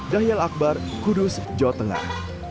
dahil akbar kudus jawa tengah